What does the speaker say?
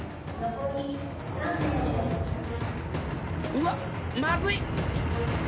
うわっまずい！